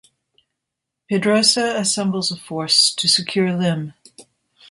Pedrosa assembles a force to secure Lim.